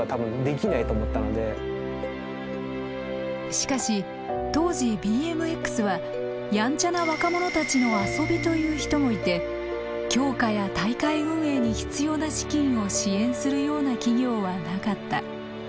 しかし当時ＢＭＸはヤンチャな若者たちの遊びという人もいて強化や大会運営に必要な資金を支援するような企業はなかった。